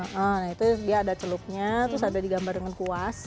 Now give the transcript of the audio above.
nah itu dia ada celupnya terus ada digambar dengan kuas